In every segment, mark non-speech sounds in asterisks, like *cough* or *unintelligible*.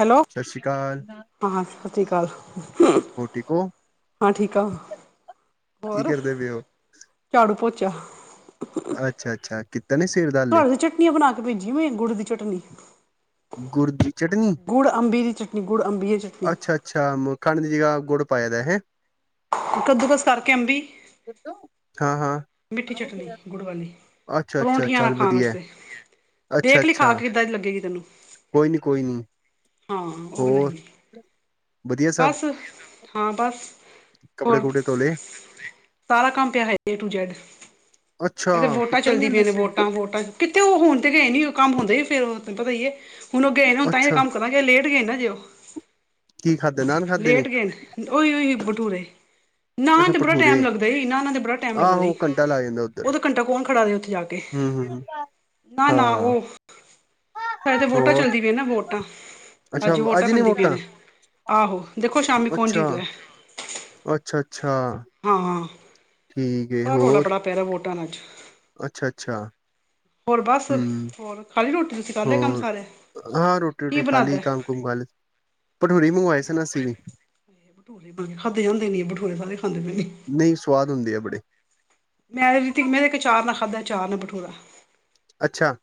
Hello, ਸਤਿ ਸ਼੍ਰੀ ਅਕਾਲ ਹਾਂ ਸਾਸ਼੍ਰੀ ਕਾਲ। ਹੋਰ ਠੀਕ ਹੋ ਹਾਂ ਠੀਕ, ਕੀ ਹੋਰ ਕਰਦੇ ਪਏ ਹੋ ਝਾੜੂ ਪੋਚਾ ਅੱਛਾ, ਅੱਛਾ ਕੀਤਾ ਨੀ ਸਵੇਰ ਦਾ ਹਾਲੇ। ਤੁਹਾਡੇ ਚਟਨੀਆਂ ਬਨਾ ਕੇ ਪੇਜੀ ਮੈਂ ਗੁੜ ਦੀ ਚਟਨੀ ਗੁੜ ਦੀ ਚਟਨੀ ਗੁੜ ਅੰਬੀ ਦੀ ਚਟਨੀ, ਗੁੜ ਅੰਬੀ ਦੀ ਚਟਨੀ। ਅੱਛਾ ਅੱਛਾ, ਮ ਖੰਡ ਦੀ ਜਗਾ ਗੁੜ ਪਾਏਆ ਦਾ ਹੈਂ। ਕੱਦੂ ਕਸ ਕਾਰਕੇ ਅੰਬੀ *unintelligible* ਹਾਂ, ਹਾਂ। ਮਿੱਠੀ ਚਟਨੀ ਗੁੜ ਵਾਲੀ, ਅੱਛਾ ਅੱਛਾ ਪਰੋਂਠੀਆਂ ਨਾਲ ਚੱਲ ਖਾਨ ਵਧੀਆ ਹੈ। ਆਸਤੇ ਅੱਛਾ ਦੇਖ ਲਈ ਅੱਛਾ ਖਾਕੇ ਕਿਦਾਂ ਦੀ ਲੱਗੇਗੀ ਤੈਨੂੰ, ਕੋਈ ਨੀ ਕੋਈ ਨੀ ਹਾਂ ਓ ਹੋਰ ਬਨਾਈ ਏ। ਵਧੀਆ ਸਭ ਬਾੱਸ ਹਾਂ ਬਾੱਸ, ਕੱਪੜੇ ਹੋਰ‌ *unintelligible* ਕੁਪੜੇ ਧੋਲੇ ਸਾਰਾ ਕਾੰਮ ਪੇਆ ਹੈ ਏ ਟੂ ਜੈੱਡ, ਅੱਛਾ ਏਥੇ ਵੋਟਾਂ ਕੀਤਾ ਨੀ ਚੱਲਦੀ ਹਲੇ ਪਈਆਂ ਨੇ ਵੋਟਾਂ, ਵੋਟਾਂ। ਕਿੱਥੇ ਓ ਹੁਨ ਤੇ ਗਏ ਨੀ ਓ ਕਾੰਮ ਹੁੰਦੇ ਈ ਫੇਰ ਤੈਨ ਪਤਾ ਈ ਏ, ਹੁਨ ਓ ਗਏ ਨੇ ਹੁਨ ਤਾਂਈ ਅੱਛਾ ਕਾੰਮ ਕਰ ਮੈਂ ਕੇਆ ਲੇਟ ਗੇ ਨਾ ਅਜੇ ਓ, ਕੀ ਖਾਧੇ ਨਾਨ ਖਾਧੇ ਨੇ ਲੇਟ ਗੇ ਨ ਓਈ, ਓਈ ਭਟੂਰੇ, ਨਾ ਅੱਛਾ ਐਨ ਤੇ ਬੜਾ ਭਠੂਰੇ ਟੈਮ ਲੱਗਦਾ ਈ, ਨਾ ਤਾਂ ਬੜਾ ਟੈਮ ਲੱਗਦਾ ਈ। *unintelligible* ਓਦੋ ਘੰਟਾ ਕੋਨ ਖੜਾ ਹੋਏ ਓਥੇ ਜਾ ਕੇ। ਹੂੰ ਹੂੰ ਹੂੰ। ਨਾ, ਨਾ ਹਾਂ ਓ ਸਾਡੇ ਵੋਟਾਂ ਹੋਰ ਚੱਲਦੀ ਪੀਆਂ ਨਾ ਵੋਟਾਂ ਅੱਛਾ ਆੱਜ ਵੋਟਾਂ ਅੱਜ ਨੀ ਪੈਂਦੀ ਪਈਆਂ ਨੇ, ਆਹੋ ਦੇਖੋ ਸ਼ਾਮੀ ਕੋਨ ਅੱਛਾ ਜੀਤ ਦਾ ਐ। ਅੱਛਾ, ਅੱਛਾ। ਹਾਂ। ਠੀਕ ਏ ਉਹਦਾ ਹੋਰ *unintelligible* ਅੱਛਾ, ਅੱਛਾ। ਹੋਰ ਬਾੱਸ, ਹੋਰ ਖਾਲੀ ਰੋਟੀ ਤੁਸੀ ਕਾੱਰ ਲੇ ਕਾੰਮ ਹੋਰ ਸਾਰੇ ਹਾਂ ਰੋਟੀ ਕੀ ਰੁਟੀ ਖਾਲੀ ਬਣਾਦਾ ਕਾੰਮ ਕੁੰਮ ਕਾਰਲੇ, ਭਠੂਰੇ ਈ ਮੰਗਵਾਏ ਸਾਨ ਅਸੀ ਵੀ *unintelligible* ਖਾਦੇੇ ਜਾਂਦੇ ਨੇ ਭਟੂਰੇ ਸਾਰੇ ਖਾਂਦੇ ਪੇ ਨੇ। ਨਈ ਸਵਾਦ ਹੁੰਦੇ ਆ ਬੜੇ ਮੈਂ *unintelligible* ਚਾਰ ਨਾਲ ਖਾਧਾ, ਚਾਰ ਨਾਲ ਬਠੂਰਾ ਅੱਛਾ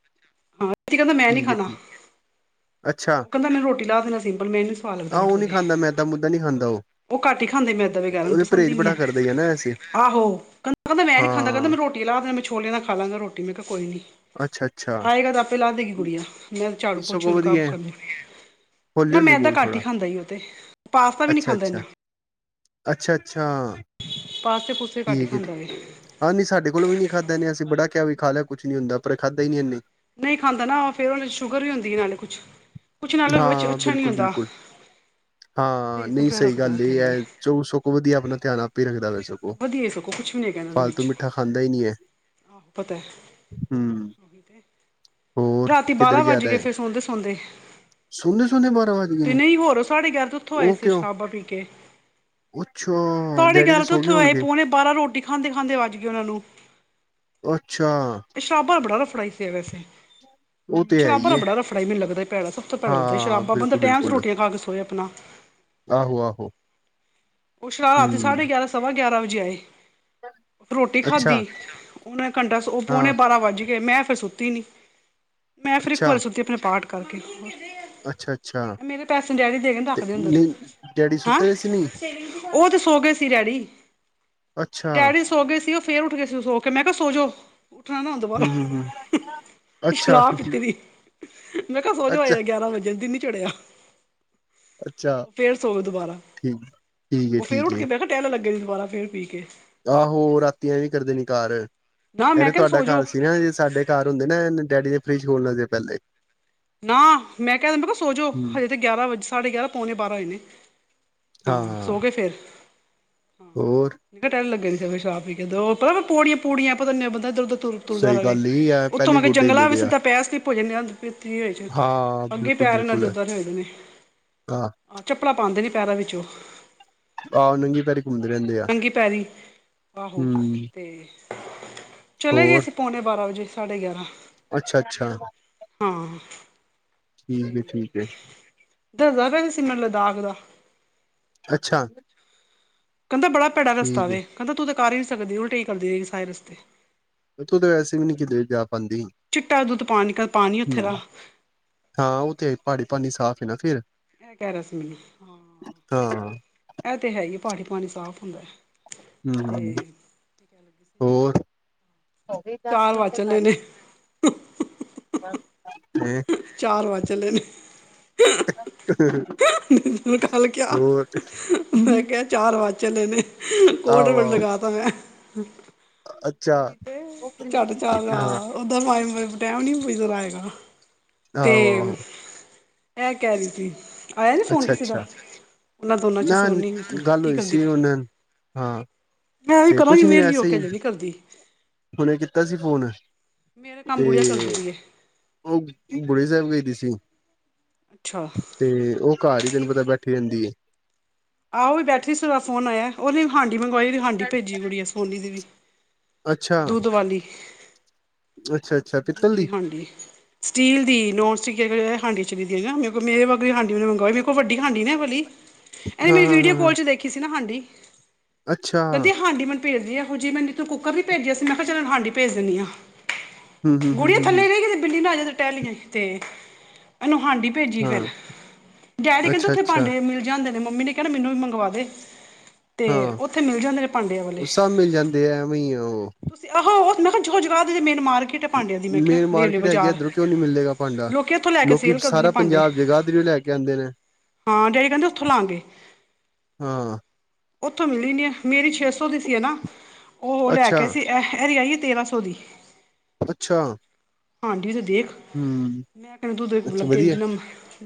ਹਾਂ, *unintelligible* ਕੈਂਦਾ ਮੈਂ ਨੀ ਠੀਕ ਹੈ ਖਾਨਾ। ਠੀਕ ਅੱਛਾ ਓ ਕੈਂਦਾ ਮੈਨ ਰੋਟੀ ਲਾ ਦੇਨੀ ਸਿੰਪਲ ਮੈਨ ਸਵਾਦ ਲੱਗਦਾ ਆਹ ਉਹ ਨੀ ਭਠੂਰੇ ਖਾਂਦਾ ਮੈਦਾ ਮੁੱਦਾ ਨੀ ਖਾਂਦਾ ਉਹ ਓ ਘਾੱਟ ਈ ਖਾਂਦੇ ਮੈਂਦਾ ਵਗੈਰਾ ਤੇ ਓਨੂੰ ਉਹਦੇ ਪਸੰਦ ਪਰਹੇਜ਼ ਈ ਨੀ ਬੜਾ ਐ। ਕਰਦਾ ਹੀ ਆ ਨਾ ਵੈਸੇ ਆਹੋ ਕੈਂਦਾ ਮੈਂ ਐ ਨੀ ਖਾਂਦਾ ਕੈਂਦਾ ਹਾਂ ਮੈਨੂੰ ਰੋ ਰੋਟੀ ਲਾਦੇਂ ਮੈਂ ਛੋਲੇ ਨਾਲ ਖਾ ਲਾਂਗਾ ਰੋਟੀ ਮੈਂ ਕੇਆ ਕੋਈ ਨੀ। ਅੱਛਾ, ਅੱਛਾ। ਆਏਗਾ ਤੇ ਆਪੇ ਲਾ ਦੇਗੀ ਗੁੜੀਆ, ਮੈਂ ਝਾੜੂ ਇਹ ਸਗੋਂ ਪੋਛੇ ਕਾੰਮ ਵਧੀਆ ਕਾੱਰ ਨਾ ਹੌਲੀ-ਹੌਲੀ ਮੈਦਾ ਬੋਲ ਘਾੱਨ ਈ ਥੋੜਾ ਖਾਂਦਾ ਓ ਤੇ, ਪਾਸਤਾ ਵੀ ਨੀ ਖਾਂਦਾ ਏਨਾ ਅੱਛਾ, ਅੱਛਾ। ਪਾਸਤੇ ਪੂਸਤੇ ਘਾੱਟ ਈ ਖਾਂਦਾ ਵੇ। ਹਾਂ ਨੀ ਸਾਡੇ ਕੋਲ ਵੀ ਨੀ ਖਾਧਾ ਨੇ ਅਸੀ ਬੜਾ ਕੇਆ ਵੀ ਖਾਲੇ ਕੁੱਛ ਨੀ ਹੁੰਦਾ ਪਰ ਖਾਧਾ ਈ ਨੀ ਐਨੇ ਨਈ ਖਾਂਦਾ ਨਾ, ਫੇਰ ਓਨਂ ਸ਼ੂਗਰ ਵੀ ਹੁੰਦੀ ਏ ਨਾਲੇ ਕੁੱਛ ਹਾਂ ਬਿਲਕੁਲ, ਬਿਲਕੁਲ। ਹਾਂ ਪਰਹੇਜ਼ ਤਾਂ ਨੀ ਬੜਾ ਸਈ ਰੱਖਦਾ ਉਹ ਗਾੱਲ ਤਾਂ ਏ ਹੈ ਐ। ਹੀ ਚੋ ਸਕੋ ਵਦੀਆ ਆਪਨਾ ਧੇਆਨ ਆਪ ਈ ਰੱਖਦਾ ਵੇ ਸਗੋ, ਵਧੀਆ ਸਗੋਂ ਕੁਛ ਵੀ ਨਹੀਂ ਹੈਗਾ ਇਹਨਾਂ ਦੇ ਫਾਲਤੂ ਵਿੱਚ ਮਿੱਠਾ ਖਾਂਦਾ ਈ ਨੀ ਐ। ਪਤਾ ਐ *unintelligible* ਹੋਰ ਰਾਤੀ ਕਿੱਧਰ ਬਾਰਾਂ ਗਿਆ ਵਾੱਜ ਦਾ ਗੇ ਸੀ ਸੋਂਦੇ, ਸੋਂਦੇ ਸੋਨੇ ਸੋਨੇ ਬਾਰਾਂ ਵੱਜ ਗਏ ਤੇ ਨੇ ਨਈ ਹੋਰ ਸਾਡੇ ਗਯਾਰਾਂ ਤੇ ਓਥੋਂ ਆਏ ਉਹ ਸੀ, ਓ ਕਿਉਂ ਸ਼ਰਾਬਾ ਪੀਕੇ ਅੱਛਾ, ਡੈਡੀ ਤੇ ਸੋ ਗਏ ਓਥੋਂ ਆਏ ਹੋਣਗੇ ਪੋਣੇ ਬਾਰਾਂ ਰੋਟੀ ਖਾਂਦੇ, ਖਾਂਦੇ ਵਾੱਜ ਗੇ ਓਨਾਂ ਨੂੰ ਅੱਛਾ ਇਹ ਸ਼ਰਾਬਾਂ ਦਾ ਬੜਾ ਰਫੜਾ ਈ ਵੈਸੇ ਉਹ ਤੇ ਹੈ ਸ਼ਰਾਬਾਂ ਹੀ ਦਾ ਹੈ। ਬੜਾ ਰਫੜਾ ਈ ਮੈਨੂੰ ਲੱਗਦਾ ਸੀ ਭੈੜਾ ਸ ਉੱਥੇ ਪਤਾ ਲਗਦਾ ਹਾਂ ਸ਼ਰਾਬਾਂ ਬੰਦਾ ਬਿਲਕੁਲ ਟੈਮ 'ਚ ਬਿਲਕੁਲ ਰੋਟੀਆਂ ਖਾ ਕੇ ਸੋਹੇ ਆਪਣਾ ਆਹੋ ਆਹੋ ਉਹ ਰਾਤੀ ਹਮ ਸਾਢੇ ਗਿਆਰਾਂ ਸਵਾ ਗਿਆਰਾਂ ਵਜੇ ਆਏ ਰੋਟੀ ਅੱਛਾ ਖਾਧੀ, ਹੁਨ ਕੰਟਾ ਓ ਹਾਂ ਪੋਨੇ ਬਾਰਾਂ ਵਾੱਜ ਗੇ, ਮੈਂ ਫੇਰ ਸੁੱਤੀ ਨੀ ਮੈਂ ਫਿਰ ਇੱਕ ਅੱਛਾ ਵਾਰੀ ਸੁੱਤੀ ਆਪਣੇ ਪਾਠ ਕਰਕੇ। ਅੱਛਾ ਅੱਛਾ ਮੇਰੇ ਪੈਸੇ ਨੀ ਡੈਡੀ ਦੇ ਹਗੇ ਤੇ ਰਖਦੇ ਅੰਦਰ ਨਹੀਂ ਡੈਡੀ ਹੈਂ ਸੁੱਤੇ ਹੋਏ ਸੀ ਨਹੀਂ ਉਹ ਤੇ ਸੋ ਗਏ ਸੀ ਡੈਡੀ। ਅੱਛਾ ਡੈਡੀ ਸੋ ਗਏ ਸੀ ਉਹ ਫੇਰ ਉੱਠ ਗਏ ਸੀ ਸੋ ਕੇ ਮੈਂ ਕਿਹਾ ਸੋਜੋ। ਉੱਠਣਾ ਨਾ ਹੁਣ ਦੁਬਾਰਾ ਹਮ ਹਮ ਹਮ ਅੱਛਾ ਸ਼ਰਾਬ ਪੀਤੀ ਦੀ। ਮੈਂ ਕਿਹਾ ਸੋਜੋ ਅੱਛਾ ਹਜੇ ਗਿਆਰਾਂ ਵਜੇ ਦੀਨ ਨੀ ਚੜਿਆ। ਅੱਛਾ ਫਿਰ ਸੋਵੋ ਦੁਬਾਰਾ। ਠੀਕ ਠੀਕ ਹੈ ਉਹ ਫਿਰ ਠੀਕ ਉੱਠ ਹੈ ਕੇ ਬਹਿ ਟਹਿਲਣ ਲੱਗੇ ਸੀ ਦੁਬਾਰਾ ਫੇਰ ਪੀ ਕੇ। ਆਹੋ ਰਾਤੀ ਐਵੀ ਕਰਦੇ ਣੀ ਘਰ ਨਾ ਐ, ਮੈਂ ਤੇ ਕਿਹਾ ਤੁਹਾਡਾ ਸੋ ਜਾਓ ਘਰ ਸੀ ਨਾ ਜੇ ਸਾਡੇ ਘਰ ਹੁੰਦੇ ਨਾ ਇਹਨੇ ਡੇਡੀ ਦਾ ਫਰਿਜ ਖੋਲਨਾ ਸੀ ਪਹਿਲੇ। ਨਾ ਮੈਂ ਕਿਹਾ ਮੈਂ ਕਿਹਾ ਸੋਜੋ ਹੂੰ, ਹਜੇ ਤੇ ਗਿਆਰਾਂ ਵਜੇ ਸਾਢੇ ਗਿਆਰਾਂ ਪਉਣੇ ਬਾਰਾਂ ਹੋਏ ਨੇ। ਹਾਂ, ਸੋ ਗਏ ਫਿਰ? ਹੋਰ। ਲੀਟਣ ਲਗੇ ਸੀ ਫਿਰ ਵੀ ਸ਼ਰਾਬ ਪੀ ਕੇ ਦੋ ਪਤਾ ਨੀ ਪੋੜੀਆਂ ਪੁੜੀਆਂ ਆਪ ਨੂੰ ਪਤਾ ਬੰਦਾ ਇਹਦਰ ਉਹਦਰ ਤੁਰ ਤੁਰਦਾ ਸਹੀ ਰਹੇ ਗੱਲ ਈ ਐ, ਉੱਥੋਂ ਪਹਿਲੇ ਮੈਂ ਕਯਾ ਗੋਡੇ ਹਿੱਲੇ ਜੰਗਲਾਂ ਵੀ ਦੇ ਆ। ਸਿੱਧਾ ਪੈਰ ਸਲਿਪ ਹੋਜੇ। ਕੀ ਹਾਂ, ਅੱਗੇ ਪੈਰ ਇਹਣਾ ਬਿਲਕੁਲ-ਬਿਲਕੁਲ, ਦੇ ਉੱਧਾਂ ਦੇ ਹੋਯੇ ਦੇਣੇ। ਹਾਂ, ਆਹ ਚੱਪਲਾਂ ਪਾਦੇ ਨੀ ਪੈਰਾਂ ਵਿੱਚ ਓ। ਆਹ ਨੰਗੀ ਪੈਰੀ ਘੁੰਮਦੇ ਰਹਿੰਦੇ ਆ। ਨੰਗੀ ਪੈਰੀ ਆਹੋ ਹੂੰ, ਤੇ। ਚਲੇ ਗਏ ਸੀਂ ਪੋਣੇ ਬਾਰਾਂ ਵਜੇ ਸਾਢੇ ਗਿਆਰ੍ਹਾਂ। ਅੱਛਾ, ਅੱਛਾ। ਹਾਂ। ਠੀਕ ਹੈ, ਠੀਕ ਹੈ। ਦੱਸਦਾ ਪਿਆ ਸੀ ਸੀਮਰ ਲੱਦਾਖ ਦਾ। ਅੱਛਾ। ਕਹਿੰਦਾ ਬੜਾ ਭੈੜਾ ਰਸਤਾ ਠੀਕ ਏ। ਵੇ ਕਹਿੰਦਾ ਤੂੰ ਤਾਂ ਕਰ ਹੀ ਨੀ ਸਕਦੀ ਉਲਟੀ ਕਰਦੀ ਰਹੇਂਗੀ ਸਾਰੇ ਰਸਤੇ। ਤੂ ਤੇ ਵੈਸੇ ਵੀ ਨਹੀਂ ਕਿਤੇ ਜਾ ਪਾਉਂਦੀ ਚਿੱਟਾ ਦੁੱਧ ਪਾਣੀ ਪਾਣੀ ਉੱਥੇ ਹਮ ਦਾ ਹਾਂ ਉਹ ਤੇ ਹੈ ਪਹਾੜੀ ਪਾਨੀ ਸਾਫ਼ ਏ ਨਾ ਫਿਰ। ਇਹ ਕਿਹ ਰਿਹਾ ਸੀ, ਮਿੰਨੁ। ਹਾਂ। ਇਹ ਤੇ ਹੈ ਹੀ ਪਾਣੀ ਪਾਣੀ ਸਾਫ਼ ਹੁੰਦਾ ਹੈ। ਹਮ, ਤੇ ਹੋਰ ਹੋਗੀ ਦਸ ਚਾਰ ਵਾਰ ਮਿੰਟ ਚੱਲੇ ਗਲ। ਨੇ ਤੇ ਚਾਰ ਵਜ਼ ਚਲੇ ਨੇ। *inaudible* ਹ ਹਾਂ ਹ ਮੈਨੂੰ ਕਲ ਕਿਆ ਮੈਂ ਕਿਹਾ। ਚਾਰ ਵੱਜ ਚਲੇ ਨੇ, ਕੋਡ-ਵਰਡ ਆਹੋ-ਆਹੋ, ਲਗਾਤਾ ਮੈਂਂ। ਅੱਛਾ ਉਹੀ ਤੇ ਝੱਟ ਚਲ ਆ। ਹਾਂ, ਉਹਦਾ ਪਾਵੇ ਟਾਈਮ ਨੀ ਬੀਤਦਾ ਹੇਗਾ ਤੇ ਆਹੋ-ਆਹੋ, ਇਹ ਕਹਿ ਰਹੀ ਸੀ ਆਇਆ ਨੀ ਫੋਨ ਕਿਸੇ ਦਾ ਅੱਛਾ-ਅੱਛਾ, ਉਹਨਾ ਦੋਨਾਂ ਚ ਨਾ ਸੋਨੀ ਤੂੰ ਗੱਲ ਕੀ ਹੋਈ ਕਰਦੀ ਸੀ ਪਈ ਹੁਣ ਹਾਂ, ਮੈਂ ਵੀ ਤੇ ਕਰਾਂਗੀ ਕੁਛ ਨੀ ਵੇਲੀ ਵੈਸੇ ਹੋਕੇ ਈ ਹਜੇ ਨੀ ਕਰਦੀ। ਹੁਣੇ ਕੀਤਾ ਸੀ ਫੋਨ ਮੇਰਾ ਕੰਮ ਤੇ ਗੁੜੀਆ ਕਰਦੀ ਪਈ ਏ ਉਹ ਬੁਡਿਆ ਸਾਹਿਬ ਗਈ ਦੀ ਸੀ। ਅੱਛਾ। ਤੇ ਉਹ ਘਰ ਹੀ ਤੈਨੂੰ ਪਤਾ ਬੈਠੀ ਰਹਿਣ ਦੀ ਏ ਆਹੋ ਵੀ ਬੈਠੀ ਸੀ ਫੋਨ ਆਇਆ ਉਹਨੇ ਹਾਂਡੀ ਮੰਗਵਾਈ ਹਾਂਡੀ ਭੇਜੀ ਕੁੜੀ ਸੋਨੀ ਦੀ ਵੀ ਅੱਛਾ ਦੂਧ ਵਾਲੀ। ਅੱਛਾ, ਅੱਛਾ। ਦੁੱਧ ਪਿੱਤਲ ਵਾਲੇ ਦੀ ਭਾਂਡੇ ਸਟੀਲ ਦੀ, ਨੋਨ ਸਟਿਕ *unintelligible* ਮੇਰੇ ਕੋਲ ਵੱਡੀ ਹਾਂਡੀ ਮੰਗਵਾਈ ਮਰੇ ਕੋਲ ਵੱਡੀ ਹਾਂਡੀ ਏ ਨਾ ਐ ਵਾਲੀ ਐਨੇ ਹਾਂ ਮੇਰੀ ਹਾਂ ਹਾਂ ਵੀਡੀਓ ਹਾਂ ਕੋਲ ਚ ਦੇਖੀ ਸੀ ਨਾ ਹਾਂਡੀ, ਅੱਛਾ ਕੈਂਦੀ ਹਾਂਡੀ ਮੈਨੂੰ ਪੇਜ ਦੀ ਐਹੋ ਜੀ, ਮੈਂ ਤੂੰ ਕੁੱਕਰ ਵੀ ਪੇਜਯਾ ਸੀ, ਮੈਂ ਚਲ ਹੁਨ ਹਾਂਡੀ ਪੇਜ ਦੇਨੀ ਆਂ। ਹਮ ਹਮ ਹਮ ਗੁੜੀਯਾ ਹਮ ਥੱਲੇ ਰਈ ਕਿਤੇ ਬਿੱਲੀ ਨਾ ਆਜੇ, ਤੇ ਟੈਲੀ ਜਾਈਂ, ਤੇ ਐਨੂੰ ਹਾਂਡੀ ਪੇਜੀ ਫੇਰ, ਹਾਂ ਡੈਡੀ ਕੈਂਦੇ ਅੱਛਾ ਓੱਥੇ ਅੱਛਾ ਭਾਂਡੇ ਮਿਲ ਜਾਂਦੇ ਨੇ, ਮੰਮੀ ਨੇ ਕੇਆ ਨਾ, ਮੈਨੂੰ ਵੀ ਮੰਗਵਾ ਦੇ। ਤੇ ਹਾਂ ਓੱਥੇ ਮਿਲ ਜਾਂਦੇ ਨੇ, ਭਾਂਡੇ ਇਹ ਵਾਲੇ। ਉਹ ਸਭ ਮਿਲ ਜਾਂਦੇ ਆ ਐਵੇਂ ਹੀ ਆ ਉਹ ਤੁਸੀਂ ਉਹ ਜਗ੍ਹਾ ਜਗ੍ਹਾ ਤੇ ਤਾਂ ਮਾਰਕੀਟ। ਹੈ ਭਾਂਡਿਆਂ ਦੀ ਮੈਂ ਕਿਹਾ ਮੇਨ ਰੇਲਵੇ ਮਾਰਕੀਟ ਹੈਗੀ ਏ, ਬਾਜ਼ਾਰ ਏੱਧਰੋ ਕਿਉ ਨੀ ਮਿਲੇਗਾ ਭਾਂਡਾ, ਲੋਕੀ ਉੱਥੋਂ ਲੈ ਕੇ ਲੋਕੀ ਸੇਲ ਕਰਦੇ ਨੇ ਸਾਰਾ ਭਾਂਡੇ ਪੰਜਾਬ ਜਗਾਦਰੀ ਲੈ ਕੇ ਕੈਂਦੇ ਨੇ ਹਾਂ, ਡੈਡੀ ਕੈਂਦੇ ਓੱਥੋਂ ਲਾਾਂਗੇ। ਹਾਂ। ਓੱਥੋਂ ਮਿਲੀ ਨੀ ਐ, ਮੇਰੀ ਛੇ ਸੌ ਦੀ ਸੀ ਹੈਨਾ, ਓ ਅੱਛਾ ਲੈਕੇ ਆਈ ਸੀ ਐ, ਐਦੀ ਆਈ ਏ ਤੇਰਾਂ ਸੌ ਦੀ। ਅੱਛਾ। ਹਾਂਡੀ ਤੇ ਦੇਖ ਹਮ *unintelligible* ਇਉਂ ਅੱਛਾ ਲੱਗਦਾ ਵਧੀਆ ਜਿਵੇਂ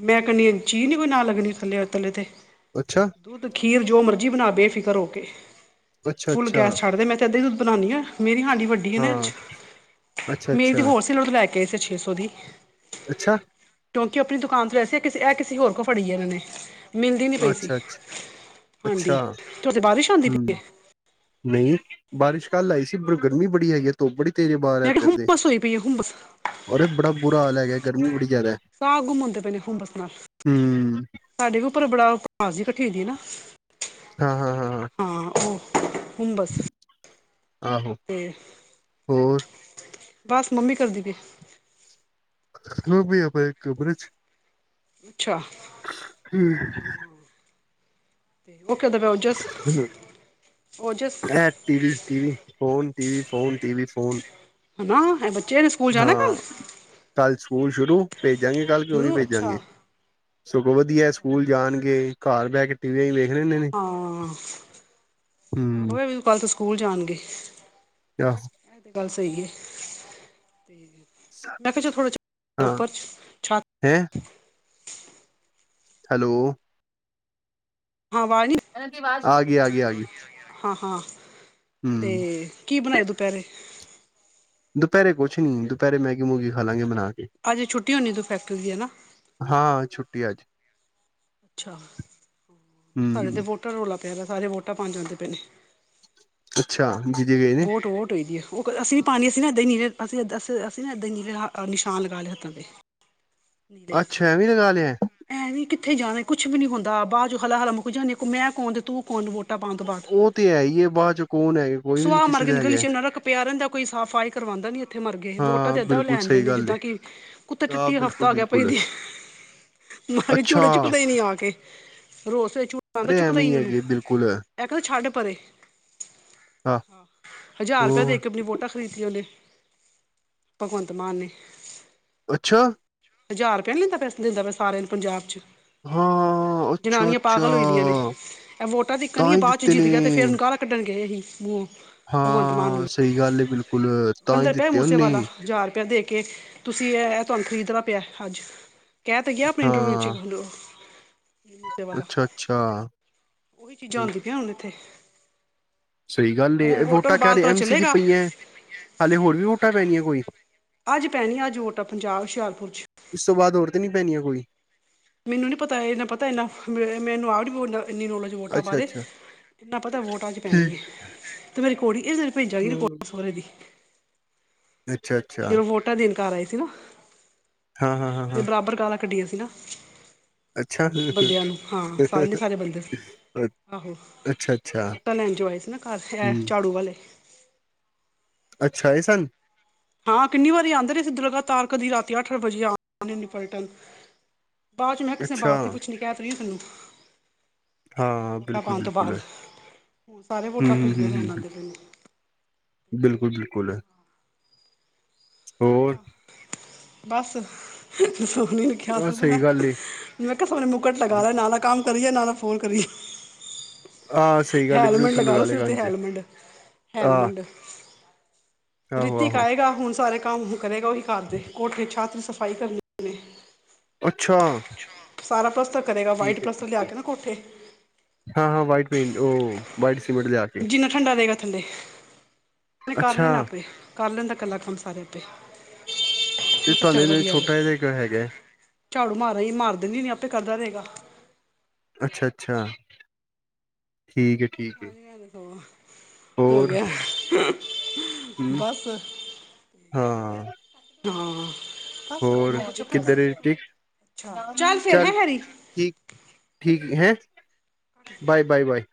ਮੈਂ ਕਹਿੰਦੀ ਹਾਂ ਕੋਈ ਚੀਜ਼ ਨਹੀਂ ਲੱਗਣੀ ਇਹਦੇ ਤਲੇ ਤੇ। ਅੱਛਾ। ਦੁੱਧ, ਖੀਰ ਜੋ ਮਰਜ਼ੀ ਬਨਾ ਬੇਫਿਕਰ ਹੋਕੇ, ਅੱਛਾ ਫੁੱਲ ਅੱਛਾ ਗੈਸ ਛੱਡ ਦੇ, ਮੈਂ ਤੇ ਐੱਦਾ ਈ ਦੁੱਧ ਬਨਾਨੀ ਆ, ਮੇਰੀ ਹਾਂਡੀ ਵੱਡੀ ਹੈ ਨਾ ਇਹ ਹਾਂ। 'ਚ ਅੱਛਾ ਮੇਰੀ ਤੇ ਅੱਛਾ ਹੋਰ ਹੋਲਸੇਲ ਤੋ ਲੈਕੇ ਆਏ ਸੀ ਛੇ ਸੌ ਦੀ। ਅੱਛਾ। ਕਿਓਂਕਿ ਅਪਨੀ ਦੁਕਾਨ ਤੋ ਲਯਾਏ ਸੀ, ਐ ਕਿਸੀ, ਐ ਕਿਸੀ ਹੋਰ ਕੋਲ ਫੜੀਏ ਐਨਾਂ ਨੇ। ਮਿਲਦੀ ਨੀ ਅੱਛਾ ਪਈ ਸੀ ਅੱਛਾ ਹਾਂਡੀ, ਅੱਛਾ ਤੇ ਤੁਹਾਡੇ ਬਾਰਿਸ਼ ਆਂਦੀ ਪਈਏ? ਨਈ, ਬਾਰਿਸ਼ ਕੱਲ ਆਈ ਸੀ ਪਰ ਗਰਮੀ ਬੜੀ ਹੈਗੀ ਏ। ਤੁੱਪ ਬੜੀ ਤੇਜ਼ ਏ ਬਾਰ ਮੈਂ ਕਿਹਾ ਐੱਧਰ ਤੇ ਹੁੰਬਸ ਹੋਈ ਪਈ ਹੈ ਹੁੰਬਸ ਅਰੇ ਬੜਾ ਬੁਰਾ ਹਾਲ ਹੈਗਾ, ਗਰਮੀ ਬੜੀ ਜਾਦੈ, ਸਾਹ ਗੁੰਮ ਹੁੰਦੇ ਪਏ ਨੇ ਹੁੰਬਸ ਨਾਲ ਹੂੰ ਸਾਡੇ ਵੀ ਉੱਪਰ ਬੜਾ, ਪੜਾਸ ਜੀ ਇਕੱਠੀ ਹੋਈ ਦੀ ਏ ਨਾ ਹਾਂ, ਹਾਂ, ਹਾਂ, ਹਾਂ। ਹਾਂ, ਓ ਹੁੰਬਸ ਆਹੋ, ਤੇ ਹੋਰ ਬੱਸ, ਮੰਮੀ ਕੀ ਕਰਦੀ ਪੀਏ? *unintelligible* ਬਸ ਉਹ ਵੀ ਲੰਮੇ ਪਏ ਕਮਰੇ ਚ ਅੱਛਾ *unintelligible* ਉਹ ਕੀ ਕਰਦੇ ਪਏ ਉਥੇ ਐ TV, TV, phone, TV, phone, TV, phone ਹੈਨਾ, ਐ ਬੱਚੇ ਆ ਨੇ ਸਕੂਲ ਜਾਨੈ ਕੱਲ? ਹਾਂ ਕੱਲ ਸਕੂਲ ਸ਼ੁਰੂ, ਭੇਜਾਂਗੇ ਕੱਲ ਕਿਓ ਨੀ ਸ਼ੁਰੂ ਅੱਛਾ ਪੇਜਾਂਗੇ। ਸਗੋ ਵਦੀਐ ਸਕੂਲ ਜਾਨਗੇ ਘਰ ਬੈ ਕੇ ਟੀਵੀਓ ਈ *unintelligible* ਨੇ ਹਾਂ, ਹਮ ਆਹੋ ਐ ਵੀ ਕੱਲ ਤੋ ਸਕੂਲ ਜਾਨਗੇ। ਤੇ ਆਹੋ। ਐ ਤੇ ਗੱਲ ਸਈ ਏ, ਤੇ ਮੈ ਕਿਆ ਚਲ ਥੋੜਾ ਜਾ ਹਾਂ ਉਪਰ ਚ ਹੈਂ। ਹੈਲੋ। ਹਾਂ, ਵਾਜ ਨੀ ਐਨਾ ਦੀ ਵਾਜ, ਆਗੀ-ਆਗੀ-ਆਗੀ। ਹਾਂ-ਹਾਂ, ਤੇ ਕੀ ਬਨਾਯੈ ਦੁਪੈਰੇ? ਦੁਪੈਰੇ ਕੋੱਛ ਨੀ, ਦੁਪੈਰੇ ਮੈਗੀ ਮੂਗੀ ਖਾਲਾਂਗੇ ਬਨਾਕੇ। ਅੱਜ ਛੁੱਟੀ ਹੋਨੀ ਤੂੰ ਫੈਕਟਰੀ ਦੀ, ਹੈਨਾ? ਹਾਂ, ਛੁੱਟੀ ਅੱਜ। ਅੱਛਾ, ਸਾਡੇ ਹਮ ਤੇ ਵੋਟਾਂ ਦਾ ਰੌਲਾ ਪਿਆ ਦੈ, ਸਾਰੇ ਵੋਟਾਂ ਪਾਨ ਜਾਂਦੇ ਪਏ ਨੇ। ਅੱਛਾ ਜੀਜੇ ਗਏ ਨੇ ਵੋਟ-ਵੋਟ ਹੋਈ ਦੀ ਐ। ਉਹ ਅਸੀਂ ਵੀ ਪਾਣੀ, ਅਸੀਂ ਨਾ ਏਦਾਂ ਨੀਲੇ ਅਸੀਂ ਅਸ, ਅਸੀਂ ਨਾ ਏਦਾਂ ਈ ਨੀਲੇੇ ਆ, ਨਿਸ਼ਾਨ ਲਗਾ ਲਏ ਹੱਥਾਂ ਤੇ। ਅੱਛਾ, ਐਵੇ ਈ ਲਗਾ ਲਿਆ ਏ? ਐਂ ਵੀ ਕਿੱਥੇ ਜਾਣਾ, ਕੁਛ ਵੀ ਨੀ ਹੁੰਦਾ, ਬਾਅ ਚੋਂ ਹਲਾ-ਹਲਾ ਮੁੱਕ ਜਾਂਦੀ, ਮੈਂ ਕੌਣ ਤੇ ਤੂੰ ਕੌਣ ਵੋ ਟਾਂ ਪਾਣ ਤੋਂ ਬਾਅਦ, ਉਹ ਤੇ ਹੈ ਹੀ ਹੈ ਬਾਅਦ ਚ ਕੌਣ ਹੈਗਾ ਕੋਈ ਵੀ ਨੀ ਸੁਆਹ ਕਿਸੇ ਮਰਗੇ ਦਾ ਨੇ ਗਲੀ ਹੈਗਾ ਇੱਚ ਨਰਕ ਪੈਆ ਰੇਂਦਾ ਏ, ਕੋਈ ਸਾਫ਼ਾਈ ਕਰਵਾਂਦਾ ਨੀ, ਇੱਥੇ ਮਰਗੇ, ਵੋਟਾਂ ਹਾਂ ਤੇ ਏਦਾਂ ਔਹ ਬਿਲਕੁਲ ਲੈੈਨ ਸਹੀ ਦੇਨੇ, ਗੱਲ ਜਿੱਦਾਂ ਕਿ ਕੁੱਟੇ ਆਹ ਚਟੀ ਹ ਬਿਲਕੁਲ ਪਾ ਗਿਆ ਬਿਲਕੁਲ ਪਈਦੀ। ਮਰਗੇ ਅੱਛਾ ਚੂੜੇ ਚੂਕਦੇ ਈ ਨੀ ਆ ਕੇ, ਰੋਜ ਸਵੇਰੇ ਚੂੜ ਆਂਦਾ ਅਰੇ ਚੁੱਕਦਾ ਐਵੇਂ ਈ ਹੈਗੇ ਬਿਲਕੁਲ। ਏਹ ਕਵੇਂ ਛੱਡ ਪਰੇ, ਹਾਂ ਹਜ਼ਾਰ ਰੂਪੇਆ ਉਹ ਦੇ ਕੇ ਆਪਣੀ ਵੋ ਟਾਂ ਖਰੀਦੀਆਂ ਉਹਨੇ, ਭਗਵੰਤ ਮਾਨ ਨੇ। ਅੱਛਾ? ਹਜ਼ਾਰ ਰੁਪਏਆ ਨੀ ਲੈਂਦਾ, ਪੈਸੇ ਦਿੰਦਾ ਪੇਆ ਸਾਰਿਆਂ ਨੂੰ, ਪੰਜਾਬ ਚ। ਹਾਂ ਅੱਛਾ ਜਨਾਨੀਆਂ ਅੱਛਾ ਪਾਗਲ ਹੋਈ ਦੀਆਂ ਨੇ। ਏਹ ਵੋਟਾਂ ਤੱਕਣ ਈ ਤਾਂ ਏ, ਹੀ ਬਾਅਦ ਚ ਦਿੱਤੇ ਜਿੱਤ ਨੇ ਗਿਆਂ ਤੇ ਫੇਰ ਏਨੂੰ ਗਾਲਾ ਕੱਢਣ ਗਏ ਏਹੀ, ਮੂੰਹੋਂ। ਭਗਵੰਤ ਮਾਨ ਹਾਂ ਨੂੰ ਸਈ ਗੱਲ ਏ ਬਿਲਕੁਲ, ਤਾਂ ਈ ਕਹਿੰਦਾ ਪਿਆ ਦਿੱਤੇ ਔਨੇ। ਮੂਸੇਵਾਲਾ ਹਜ਼ਾਰ ਰੁਪਏਆ ਦੇ ਕੇ, ਤੁਸੀਂ ਏਹ, ਏਹ ਤੁਆਨੂੰ ਖ਼ਰੀਦਦਾ ਪੇਆ ਅੱਜ। ਕੇਹ ਤੇ ਗਿਆ, ਆਪਣੇ ਇੰਟਰਵਿਊ ਇੱਚ *unintelligible* ਅੱਛਾ-ਅੱਛਾ। ਉਹੀ ਚੀਜ਼ਾਂ ਹੁੰਦੀ ਪਿਆਂ ਹੁਣ ਐਥੇ। ਸਈ ਗੱਲ ਐ, ਏਹ ਵੋਟਾਂ ਤੋਂ ਬਾਅਦ ਕਾਦੇ, ਪਤਾ ਐਮ ਸੀ ਦੀ ਚੱਲੇਗਾ ਪਈਆਂ ਐ? ਹਾਲੇ ਹੋਰ ਵੀ ਵੋਟਾਂ ਪੈਣੀਆਂ ਕੋਈ? ਆਜ ਪੈਣੀਆਂ ਅੱਜ ਵੋਟਾਂ, ਪੰਜਾਬ, ਹੁਸ਼ਿਆਰਪੁਰ ਚ। ਇਸ ਤੋਂ ਬਾਅਦ ਹੋਰ ਤੇ ਨੀ ਪੈਣੀਆਂ ਕੋਈ? ਮੈਨੂੰ ਨੀ ਪਤਾ, ਏਨਾ ਪਤਾ ਇੰਨਾ, ਮੇ ਮੈਨੂੰ ਆਪ ਨੀ ਮਤਲਬ ਇੰਨੀ ਨੌਲੇਜ ਵੋਟਾਂ ਬਾਰੇ। ਅੱਛਾ-ਅੱਛਾ ਇੰਨਾ ਪਤਾ ਵੋਟ ਅੱਜ ਪੈਣੀ ਠੀਕ ਏ, ਤੇ ਮੇਰੀ ਰੀਕੋੜੀ ਇਜ਼ ਰੇ ਭੇਜਾਗੀ ਹਾਂ ਰੀਕੋਡਿੰਗ ਸੋਹੁਰੇ ਦੀ। ਅੱਛਾ। ਜਦੋਂ ਵੋਟਾਂ ਦੇਨ ਕਾਰ ਆਏ ਸੀ ਨਾ, ਤੇ ਹਾਂ-ਹਾਂ-ਹਾਂ-ਹਾਂ ਬਰਾਬਰ ਗਾਲਾਂ ਕੱਢੀਆਂ ਸੀ ਨਾ। ਅੱਛਾ ਬੰਦੇਆਂ ਨੂੰ, ਹਾਂ ਸਾਰੇ ਨੇ ਸਾਰੇ ਬੰਦੇ। ਆਹੋ, ਅੱਛਾ-ਅੱਛਾ ਵੋਟਾਂ ਲੈਣ ਜੋ ਆਏ ਸੀ ਨਾ ਕਾਰ, ਏਹ ਹੂੰ ਝਾੜੂ ਵਾਲੇ। ਅੱਛਾ ਆਏ ਸਨ? ਹਾਂ ਕਿੰਨੀ ਵਾਰੀ ਆਦੇ ਰਏ ਸੀ ਲਗਾਤਾਰ, ਕਦੀ ਰਾਤੀ ਅੱਠ ਵਜੇ ਆ ਇੰਨੀ ਪਲਟਨ। ਬਾਅਦ ਚ ਮੈਂ ਕੇਆ ਕਿਸੇ ਨੇ ਅੱਛਾ ਬਾਤ ਨੀ ਪੁੱਛਣੀ, ਕੇਹ ਤੇ ਰਈ ਆ ਤੈਨੂੰ। ਹਾਂ ਵੋਟਾਂ ਪਾਣ ਤੋਂ ਬਿਲਕੁਲ-ਬਿਲਕੁਲ ਬਾਅਦ, ਸਾਰੇ ਵੋਟਾਂ *unintelligible* ਲੈਣ ਹੂੰ-ਹੂੰ-ਹੂੰ ਆਂਦੇ ਪੈ ਨੇ। ਬਿਲਕੁਲ-ਬਿਲਕੁਲ। ਹੋਰ ਬੱਸ। ਸੋਹਨੀ ਨੂੰ ਕੇਆ ਆਹ *unintelligible* ਮੈਂ, ਸਹੀ ਗੱਲ ਏ ਮੈਂ ਕੇਆ ਸੋਣੇ ਮੁਕਟ ਲਗਾ ਲੇ, ਨਾਲ-ਨਾਲ ਕੰਮ ਕਰੀ ਜਾ, ਨਾਲ-ਨਾਲ ਫੋਨ ਕਰੀ ਆਹ ਸਹੀ ਗੱਲ ਏ ਹੈਲਮੈਂਡ ਬਲੂਟੂਥ ਲਗਾ ਲਓ ਲੈ ਸਿਰ ਤੇ, ਕੰਨ 'ਚ ਹੈਲਮੰਡ, ਆਹ ਹੈਲਮੰਡ। ਰੀਤੀਕ ਆਹੋ-ਆਹੋ ਆਏਗਾ, ਹੁਣ ਸਾਰੇ ਕੰਮ ਕਰੇਗਾ, ਔਹੀ ਘਾਰ ਦੇ, ਕੋਠੇ ਛਾਤ ਸਫ਼ਾਈ ਕਰਨੀ ਅੱਛਾ। ਸਾਰਾ ਪਸਤਰ ਕਰੇਗਾ, ਵਾਈਟ ਠੀਕ ਪਲੱਸਤਰ ਏ-ਠੀਕ ਲਿਆ ਏ ਕੇ ਨਾ ਕੋਠੇ। ਹਾਂ-ਹਾਂ ਵਾਈਟ ਪੇਂਟ, ਉਹ ਬਾਈਟ ਸਮ ਜਿੰਨਾ ਠੰਡਾ ਰਹੇਗਾ ਥੱਲੇ, ਕਰ ਅੱਛਾ ਲੈਣਾ ਆਪੇ ਕਰ ਲੈਂਦਾ ਇਕੱਲਾ ਕੰਮ ਸਾਰੇੇ ਆਪੇ। ਤੇ ਮੈਂ ਕਿਹਾ ਚੱਲ ਤੁਹਾਡੇ ਨਾਲ ਵਧੀਆ ਵ ਛੋਟਾ ਜਿਹਾ ਇੱਕ ਹੈਗਾ ਝਾੜੂ ਮਾਰਾ ਹੀ ਮਾਰ ਦਿੰਦੀ ਨੀ ਆਪੇ ਕਰਦਾ ਰਹੇਗਾ। ਅੱਛਾ-ਅੱਛਾ, ਠੀਕ ਹੈ। ਠੀਕ ਹੈ ਅਜ ਸ *unintelligible* ਹੋ ਹੋਰ ਗਿਆ। ਹੂੰ ਬਸ ਹਾਂ ਹਾਂ। ਬਸ ਹੋਰ ਨੌ ਛਪਣ ਤੇ, ਕਿੱਧਰ ਠੀਕ ਅੱਛਾ ਚੱਲ ਫੇਰ ਹੈ ਹੈਰੀ। ਠੀਕ, ਠੀਕ ਹੈਂ ਬਾਏ -ਬਾਏ -ਬਾਏ।